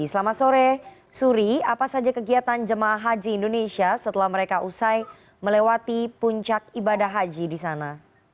selamat sore suri apa saja kegiatan jemaah haji indonesia setelah mereka usai melewati puncak ibadah haji di sana